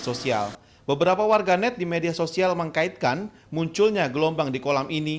sosial beberapa warganet di media sosial mengkaitkan munculnya gelombang di kolam ini